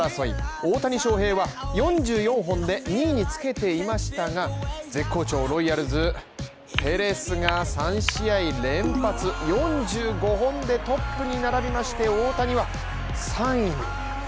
大谷翔平は４４本で２位につけていましたが絶好調、ロイヤルズ、ペレスが３試合連発、４５本でトップに並びまして、大谷は３位に。